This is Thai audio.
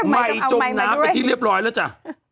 ใหม่จมน้ำไปที่เรียบร้อยแล้วจ้ะ